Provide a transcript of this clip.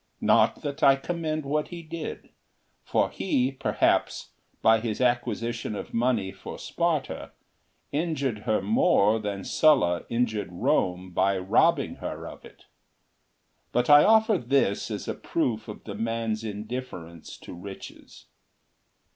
Not that I commend what he did; for he, perhaps, by his acquisition of money for Sparta, injured her more than Sulla injured Rome by robbing her of it; but I offer this as a proof of the man's indifference to riches.